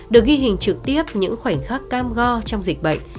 được ghi hình trực tiếp những khoảnh khắc cam go trong dịch bệnh